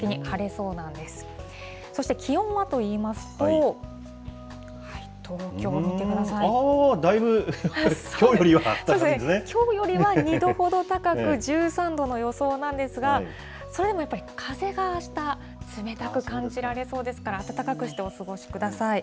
そして気温はといいますと、東京、あー、だいぶきょうよりはあきょうよりは２度ほど高く、１３度の予想なんですが、それでもやっぱり風があした、冷たく感じられそうですから、暖かくしてお過ごしください。